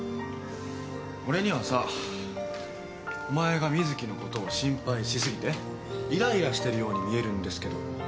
俺にはさお前が瑞稀のことを心配し過ぎていらいらしてるように見えるんですけど。